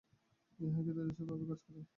ইহাই ক্রীতদাসের ভাবে কাজ করা।